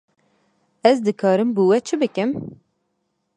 Ez dikarim bo we çi bikim?